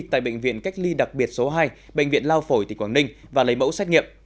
tại bệnh viện cách ly đặc biệt số hai bệnh viện lao phổi tỉnh quảng ninh và lấy mẫu xét nghiệm